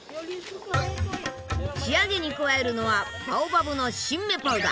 仕上げに加えるのはバオバブの新芽パウダー。